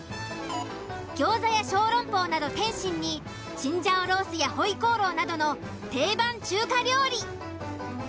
餃子や小籠包など点心にチンジャオロースやホイコーロウなどの定番中華料理。